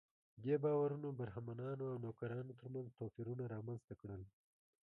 دې باورونو برهمنانو او نوکرانو تر منځ توپیرونه رامنځته کړل.